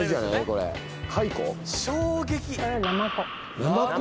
これ衝撃ナマコ？